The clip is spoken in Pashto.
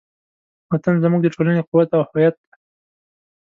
وطن زموږ د ټولنې قوت او هویت دی.